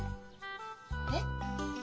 えっ？